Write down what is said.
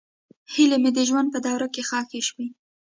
هیلې مې د ژوند په دوړو کې ښخې شوې.